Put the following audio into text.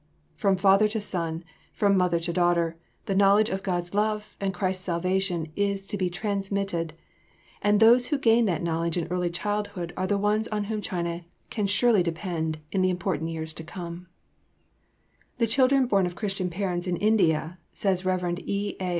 From father to son, from mother to daughter, the knowledge of God's love and Christ's salvation is to be transmitted, and those who gain that knowledge in early childhood are the ones on whom China can surely depend in the important years to come. [Sidenote: Work for the children in India.] "The children born of Christian parents in India," says Rev. E. A.